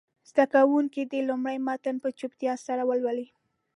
زده کوونکي دې لومړی متن په چوپتیا سره ولولي.